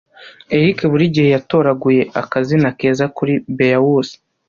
Eric buri gihe yatoraguye akazina keza kuri beaus.